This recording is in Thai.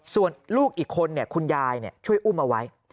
ส่วนลูกอีกคนคุณยายช่วยอุ้มเอาไว้